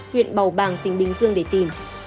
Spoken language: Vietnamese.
huyện bào bàng tỉnh bình dương để tìm